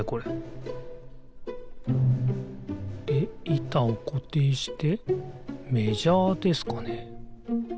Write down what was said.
いたをこていしてメジャーですかね？